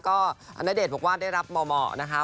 ก็ณเดชน์บอกว่าได้รับเหมาะนะคะ